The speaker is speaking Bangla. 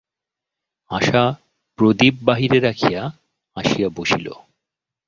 আশা প্রদীপ বাহিরে রাখিয়া আসিয়া বসিল।